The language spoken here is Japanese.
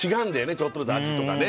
ちょっとずつ味とかね